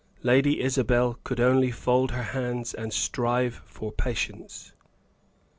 Lady Isabel could only fold her hands and strive for patience.